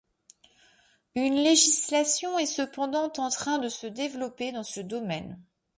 Une législation est cependant en train de se développer dans ce domaine.